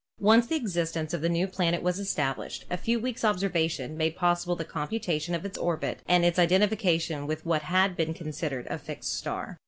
Once the existence of the new planet was established, a few weeks' observation made possible the computation of its orbit and its identification with what had been con sidered a fixed star.